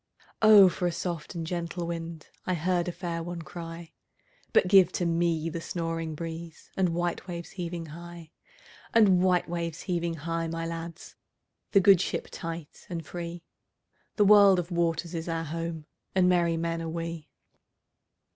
"O for a soft and gentle wind!"I heard a fair one cry:But give to me the snoring breezeAnd white waves heaving high; And white waves heaving high, my lads, The good ship tight and free—The world of waters is our home, And merry men are we.